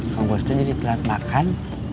kamu bos tuh jadi telat makan